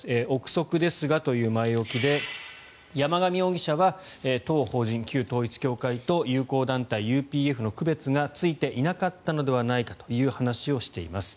臆測ですがという前置きで山上容疑者は当法人、旧統一教会と友好団体、ＵＰＦの区別がついていなかったのではないかという話をしています。